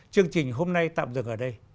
chương trình hôm nay tạm dừng ở đây